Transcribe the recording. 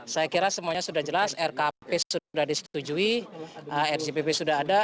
saya kira semuanya sudah jelas rkp sudah disetujui rcpp sudah ada